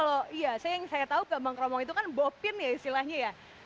biasanya kan kalau saya yang tau gambang keromong itu kan bopin ya istilahnya ya